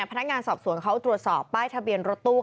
พนักงานสอบสวนเขาตรวจสอบป้ายทะเบียนรถตู้